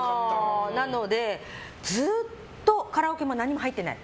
なのでずっとカラオケも何も入ってない。